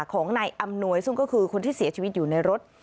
ของนายอำนวยซึ่งก็คือคนที่เสียชีวิตอยู่ในรถ